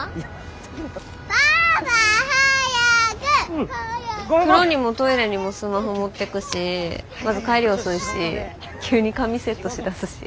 風呂にもトイレにもスマホ持ってくしまず帰り遅いし急に髪セットしだすし。